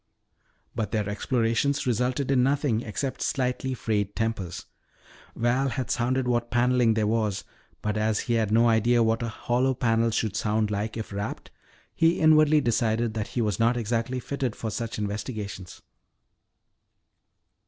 But their explorations resulted in nothing except slightly frayed tempers. Val had sounded what paneling there was, but as he had no idea what a hollow panel should sound like if rapped, he inwardly decided that he was not exactly fitted for such investigations.